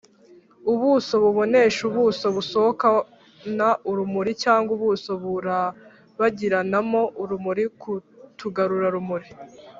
Ubuso buboneshaUbuso busohokana urumuri, cg ubuso burabagiranamo urumuri ku tugarurarumuri